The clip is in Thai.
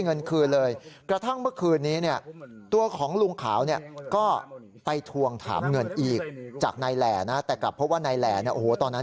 นี่คุณหาเจอยัง